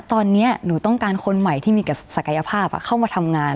ตอนนี้หนูต้องการคนใหม่ที่มีศักยภาพเข้ามาทำงาน